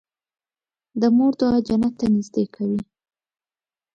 د مور دعا جنت ته نږدې کوي.